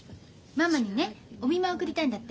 ママにねお見舞い送りたいんだって。